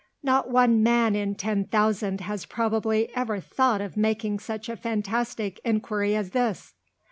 Not one man in ten thousand has probably ever thought of making such a fantastic inquiry as this.